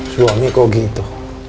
suami kok gitu